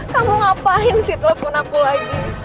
kamu ngapain sih telepon aku lagi